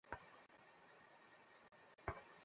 আবার বিছানায় ফিরে এসেছেন।